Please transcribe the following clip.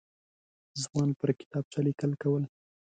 ځوان پر کتابچه لیکل کول.